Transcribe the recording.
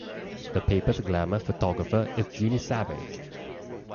The paper's glamour photographer is Jeany Savage.